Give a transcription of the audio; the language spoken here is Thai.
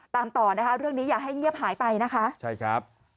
ตามต่อนะคะเรื่องนี้อย่าให้เงียบหายไปนะคะใช่ครับ